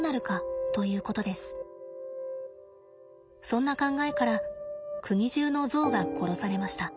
そんな考えから国中のゾウが殺されました。